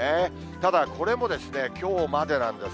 ただ、これもきょうまでなんです。